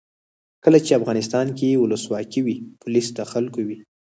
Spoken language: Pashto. کله چې افغانستان کې ولسواکي وي پولیس د خلکو وي.